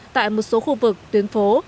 tại một số khu vực tuyến phố